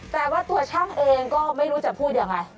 แต่ว่าตัวช่างเองก็ไม่รู้จะพูดยังไง